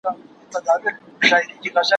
زه به سبا د نوي لغتونو يادونه وکړم!؟